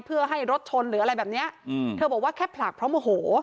เพื่อให้รถชนหรืออะไรแบบเนี้ยอืมเธอบอกว่าแค่ผลักเพราะโมโห